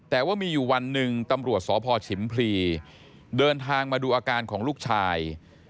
แต่ว่ามีอยู่วันหนึ่งตำรวจสพฉิมพลีเดินทางมาดูอาการของลูกชาย